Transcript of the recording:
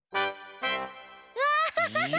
わハハハ！